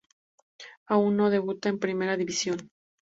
Aún no debuta en Primera División.